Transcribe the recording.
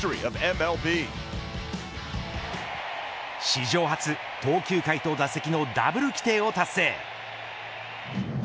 史上初、投球回と打席のダブル規定を達成。